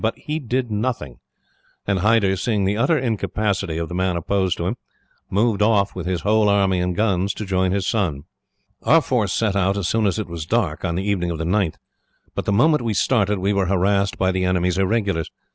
But he did nothing; and Hyder, seeing the utter incapacity of the man opposed to him, moved off with his whole army and guns to join his son. "Our force set out as soon as it was dark, on the evening of the 9th; but the moment we started, we were harassed by the enemy's irregulars.